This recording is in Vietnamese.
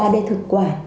ba d thực quản